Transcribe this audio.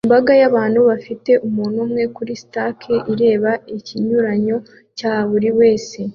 Imbaga y'abantu bafite umuntu umwe kuri skate ireba ikinyuranyo cya buri wese